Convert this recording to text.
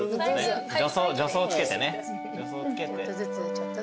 助走つけてね。